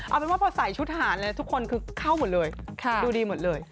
เอาเป็นว่าพอใส่ชุดทหารเลยทุกคนคือเข้าหมดเลยดูดีหมดเลย